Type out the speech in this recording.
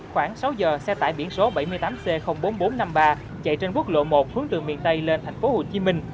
khoảng sáu giờ xe tải biển số bảy mươi tám c bốn nghìn bốn trăm năm mươi ba chạy trên quốc lộ một hướng đường miền tây lên tp hcm